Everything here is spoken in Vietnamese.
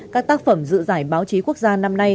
các tác phẩm dự giải báo chí quốc gia năm nay